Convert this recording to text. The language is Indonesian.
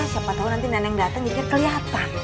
siapa tau nanti nenek datang jadi dia kelihatan